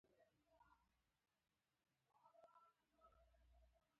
چې د وخت په تېرېدو سره زده کېږي او پوهېږې.